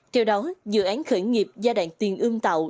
theo đó dự án khởi nghiệp giai đoạn tiền ươm tạo